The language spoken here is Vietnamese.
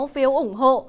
phiếu ủng hộ